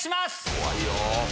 怖いよ。